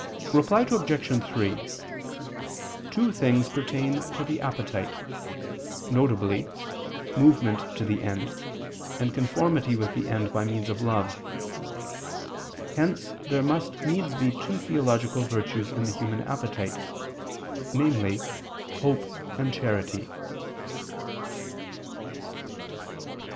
Reply Obj. 3: Two things pertain to the appetite, viz. movement to the end, and conformity with the end by means of love. Hence there must needs be two theological virtues in the human appetite, namely, hope and charity.